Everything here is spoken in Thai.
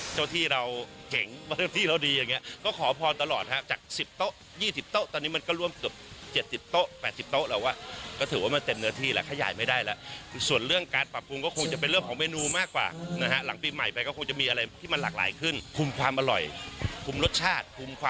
ที่เราเก่งที่เราดีอย่างนี้ก็ขอพรตลอดฮะจาก๑๐โต๊ะ๒๐โต๊ะตอนนี้มันก็ร่วมเกือบ๗๐โต๊ะ๘๐โต๊ะแล้วว่าก็ถือว่ามันเต็มเนื้อที่แล้วขยายไม่ได้แล้วส่วนเรื่องการปรับปรุงก็คงจะเป็นเรื่องของเมนูมากกว่านะฮะหลังปีใหม่ไปก็คงจะมีอะไรที่มันหลากหลายขึ้นคุมความอร่อยคุมรสชาติ